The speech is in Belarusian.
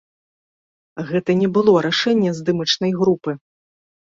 Гэта не было рашэнне здымачнай групы.